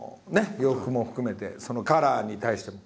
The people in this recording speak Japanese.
洋服も含めてそのカラーに対しても。